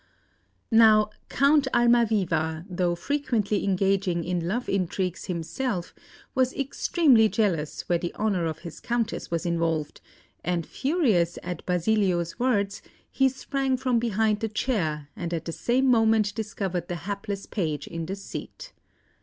Now, Count Almaviva, though frequently engaging in love intrigues himself, was extremely jealous where the honour of his Countess was involved; and furious at Basilio's words, he sprang from behind the chair, and at the same moment discovered the hapless page in the seat.